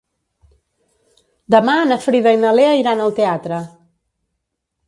Demà na Frida i na Lea iran al teatre.